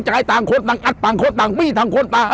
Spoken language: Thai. ใจรวงโชคดีจะมีผัวแล้ว